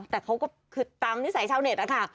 แต่เขาก็คือตามนิสัยชาวเน็ตนะคะ